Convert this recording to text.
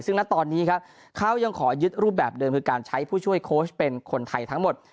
ซึ่งณตอนนี้ครับเขายังขอยึดรูปแบบเดิมคือการใช้ผู้ช่วยโค้ชเป็นคนไทยทั้งหมด